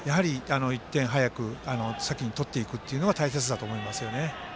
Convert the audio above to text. １点早く先に取っていくっていうのが大切だと思いますよね。